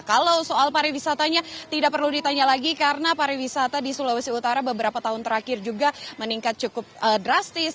kalau soal pariwisatanya tidak perlu ditanya lagi karena pariwisata di sulawesi utara beberapa tahun terakhir juga meningkat cukup drastis